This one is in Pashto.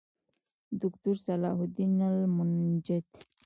دوکتور صلاح الدین المنجد